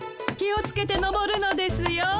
気をつけてのぼるのですよ。